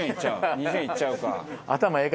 ２０円いっちゃうか。